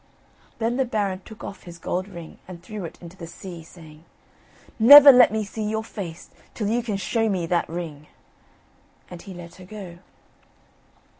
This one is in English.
Then the Baron took off his gold ring and threw it into the sea, saying: "Never let me see your face till you can show me that ring;" and he let her go.